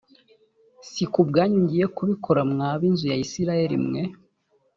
si ku bwanyu ngiye kubikora mwa b inzu ya isirayeli mwe